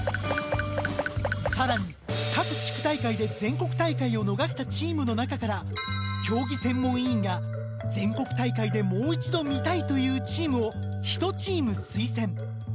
更に各地区大会で全国大会を逃したチームの中から競技専門委員が全国大会でもう一度見たいというチームを１チーム推薦。